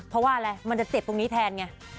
เพราะว่าอะไรมันจะเจ็บตรงนี้แทนไง